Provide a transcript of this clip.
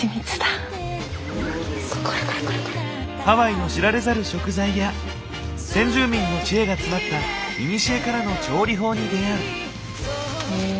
ハワイの知られざる食材や先住民の知恵が詰まったいにしえからの調理法に出会う。